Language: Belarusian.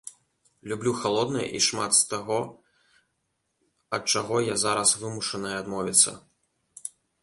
Люблю халоднае і шмат з таго, ад чаго я зараз вымушаная адмовіцца.